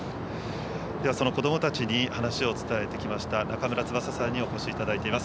ではその子どもたちに話を伝えてきました中村翼さんにお越しいただいています。